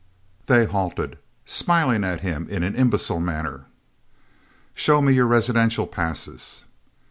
They halted, smiling at him in an imbecile manner. "Show me your residential passes."